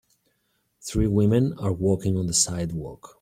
Three women are walking on the sidewalk.